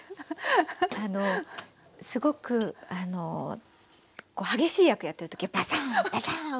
あのすごく激しい役やってる時はバサーンバサーン！